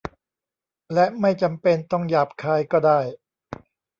และไม่จำเป็นต้องหยาบคายก็ได้